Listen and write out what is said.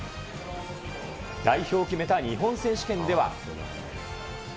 代表を決めた日本選手権では。